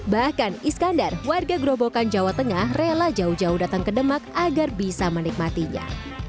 bahkan iskandar warga gerobokan jawa tengah rela jauh jauh datang ke demak agar bisa menikmatinya